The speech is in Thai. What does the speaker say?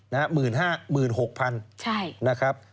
๑๕๐๐๐๑๖๐๐๐นะครับใช่